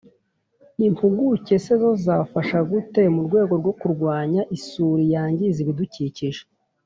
impuguke se zo zafasha gute mu rwego rwo kurwanya isuri yangiza ibidukikije?